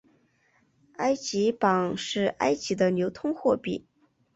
埃及镑是埃及的流通货币。